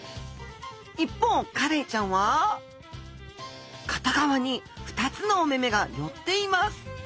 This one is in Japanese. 一方カレイちゃんは片側に２つのお目々が寄っています。